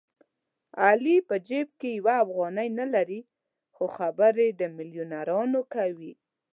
علي په جېب کې یوه افغانۍ نه لري خو خبرې د مېلیونرانو کوي.